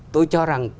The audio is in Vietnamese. tôi cho rằng